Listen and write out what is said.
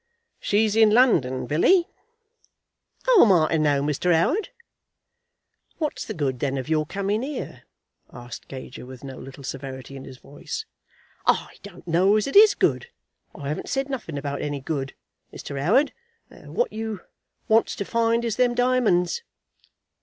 "She's in London, Billy?" "How am I to know, Mr. 'Oward?" "What's the good, then, of your coming here?" asked Gager, with no little severity in his voice. "I don't know as it is good. I 'aven't said nothing about any good, Mr. 'Oward. What you wants to find is them diamonds?"